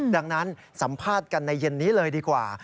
ดังนั้นสัมภาษณ์กันในเย็นนี้เลยดีกว่า